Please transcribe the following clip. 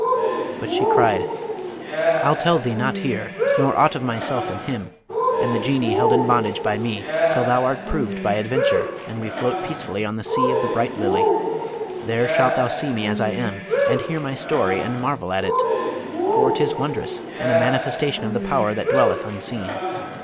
But she cried, 'I'll tell thee not here, nor aught of myself and him, and the Genie held in bondage by me, till thou art proved by adventure, and we float peacefully on the sea of the Bright Lily: there shalt thou see me as I am, and hear my story, and marvel at it; for 'tis wondrous, and a manifestation of the Power that dwelleth unseen.'